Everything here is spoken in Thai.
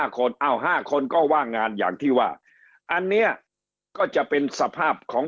๕คน๕คนก็ว่างงานอย่างที่ว่าอันนี้ก็จะเป็นสภาพของ